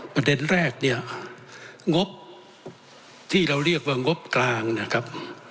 ประเด็นแรกเนี่ยงบที่เราเรียกว่างบกลางนะครับ